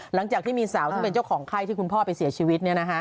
หลังจากที่มีสาวซึ่งเป็นเจ้าของไข้ที่คุณพ่อไปเสียชีวิต